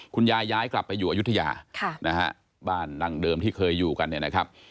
คุณยายย้ายกลับไปอยู่อยุธยาบ้านดังเดิมที่เคยอยู่กัน